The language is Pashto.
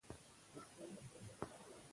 که تاسو ډیوډرنټ وکاروئ، بدن خوشبویه پاتې کېږي.